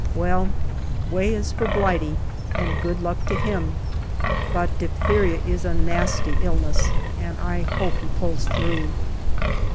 Well, Way is for Blighty, and good luck to him. But diphtheria is a nasty illness, and I hope he pulls through.